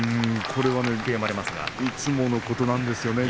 これはいつものことなんですよね。